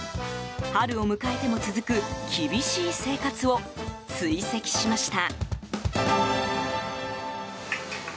春を迎えても続く厳しい生活を追跡しました。